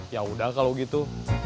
yaudah kalo gitu